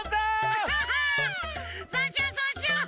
アハハそうしようそうしよう！